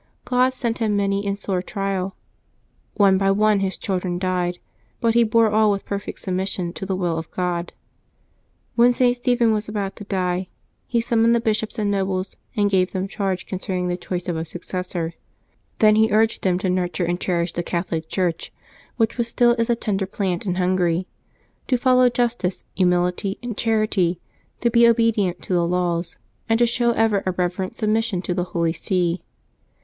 God sent him many and sore trials. One by one his children died, but he bore all with perfect submission to the will of God. When St. Stephen was about to die, he summoned the bishops and nobles, and gave them charge concerning the choice of a successor. Then he urged them to nurture and cherish the Septembhb 3] LIVES OF THE SAINTS 303 Catholic Church, which was still as a tender plant in Hun gary, to follow justice, humility, and charity, to be obe dient to the laws, and to show ever a reverent submission to the Holy See.